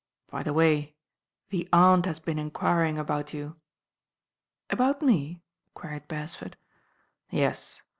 By the way, the Aunt has been enquir mg about you." ''About me?" queried Beresford. "Yes.